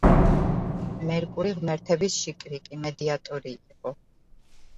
მერკური ღმერთების შიკრიკი, მედიატორი იყო.